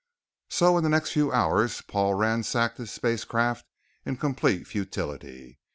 So in the next few hours Paul ransacked his spacecraft in complete futility.